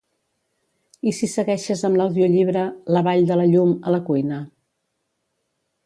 I si segueixes amb l'audiollibre "La vall de la llum" a la cuina?